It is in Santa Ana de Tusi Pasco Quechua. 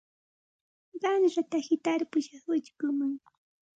Qanrata hitarpushaq uchkuman.